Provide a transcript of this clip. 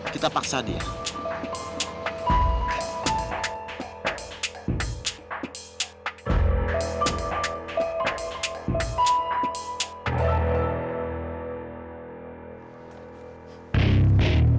kita pake barangnya dia